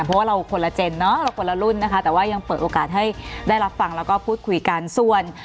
เพราะว่าเราคนละเจนคนละรุ่นนะคะแต่ว่ายังเปิดโอกาสให้ได้รับฟังและพูดคุยกัน